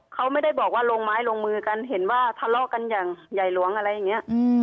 เขาไม่ได้บอกว่าลงไม้ลงมือกันเห็นว่าทะเลาะกันอย่างใหญ่หลวงอะไรอย่างนี้